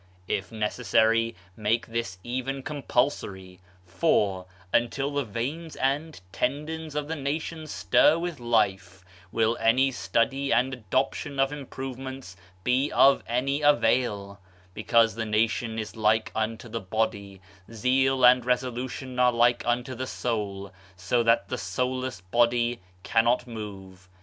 If necessary, make this even com pulsory, for, until the veins and tendons of the nation stir with life, will any study and adoption of improvements be of any avail; because thd nation is like unto the body, zeal and resolution are like unto the soul, so that the soulless body cannot move.